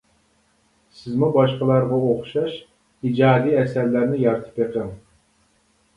سىزمۇ باشقىلارغا ئوخشاش ئىجادىي ئەسەرلەرنى يارىتىپ بېقىڭ.